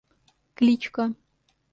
Кличка